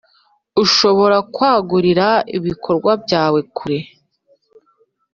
Ushobora kwagurira ibikorwa byawe kure.